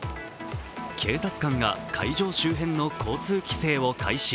警察官が会場周辺の交通規制を開始。